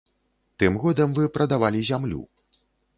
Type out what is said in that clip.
Тым годам вы прадавалі зямлю.